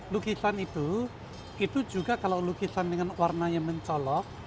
lukisan itu itu juga kalau lukisan dengan warna yang mencolok